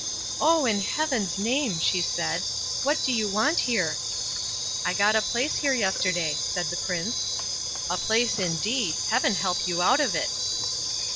"Oh! in Heaven's name", she said, "what do you want here?" "I got a place here yesterday", said the Prince. "A place, indeed! Heaven help you out of it."